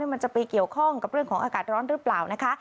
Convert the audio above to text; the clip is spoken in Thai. มันจะไปเกี่ยวข้องกับเรื่องของอากาศร้อนหรือเปล่านะคะ